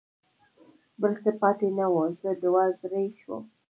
بل څه پاتې نه و، زه دوه زړی شوم.